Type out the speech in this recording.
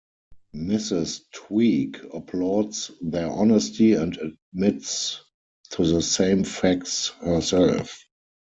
Mrs. Tweek applauds their honesty and admits to the same facts herself.